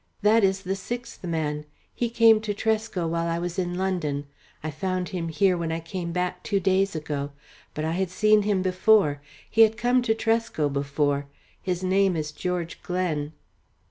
"That is the sixth man. He came to Tresco while I was in London. I found him here when I came back two days ago. But I had seen him before. He had come to Tresco before. His name is George Glen."